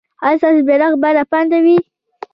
ایا ستاسو بیرغ به رپانده وي؟